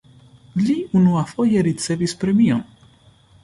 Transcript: Li unuafoje ricevis premion.